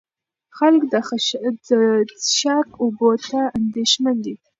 خلک د څښاک اوبو ته اندېښمن دي.